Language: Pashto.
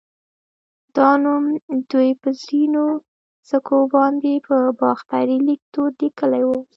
دا نوم دوی په ځینو سکو باندې په باختري ليکدود لیکلی و